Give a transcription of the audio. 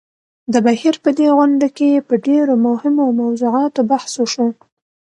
د بهېر په دې غونډه کې په ډېرو مهمو موضوعاتو بحث وشو.